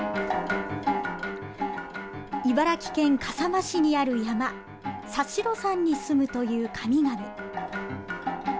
茨城県笠間市にある山佐白山にすむという神々。